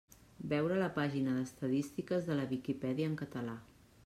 Veure la pàgina d'Estadístiques de la Viquipèdia en català.